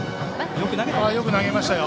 よく投げましたね。